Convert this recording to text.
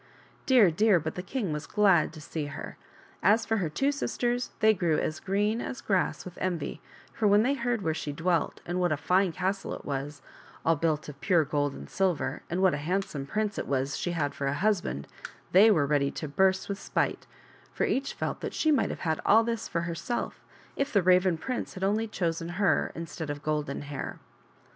Dear, dear, but the king was glad to see her ; as for her two sisters, they grew as green as grass with envy, for when they heard where she dwelt, and what a fine castle it was, all built of pure gold and silver, and what a hand some prince it was that she had for a husband, they were ready to burst with spite, for each felt that she might have had all this for herself if the Raven prince had only chosen her instead of Golden Hair.